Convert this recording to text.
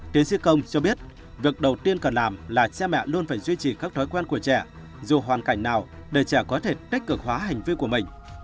tiến sĩ công cho biết việc đầu tiên cần làm là cha mẹ luôn phải duy trì các thói quen của trẻ dù hoàn cảnh nào để trẻ có thể tích cực hóa hành vi của mình